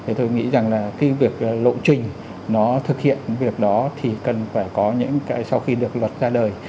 thì tôi nghĩ rằng là cái việc lộ trình nó thực hiện việc đó thì cần phải có những cái sau khi được luật ra đời